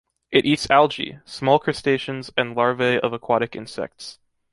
It eats algae, small crustaceans and larvae of aquatic insects.